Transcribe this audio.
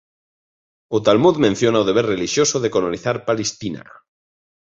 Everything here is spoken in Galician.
O Talmud menciona o deber relixioso de colonizar Palestina.